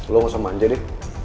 lo gak usah manja deh